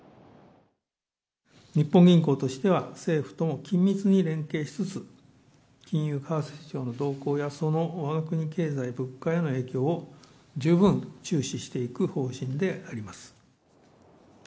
日本銀行としては、政府とも緊密に連携しつつ、金融為替市場の動向や、そのわが国経済物価への影響を、十分注視していく方針であります。